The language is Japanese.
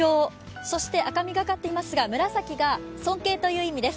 そして赤みがかっていますが、紫が尊敬という意味です。